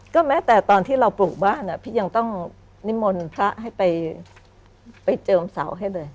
ก็แม้แต่ตอนที่เราปลูกบ้านพี่ยังต้องนิมนต์พระให้ไปเจิมเสาให้เลย